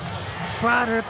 ファウル。